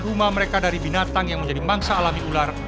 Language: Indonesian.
rumah mereka dari binatang yang menjadi mangsa alami ular